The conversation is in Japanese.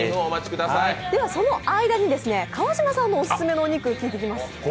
その間に川島さんのオススメのお肉をお聞きしていきます。